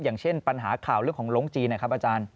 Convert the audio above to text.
อย่างเช่นปัญหาข่าวเรื่องของลงจีนนะครับอาจารย์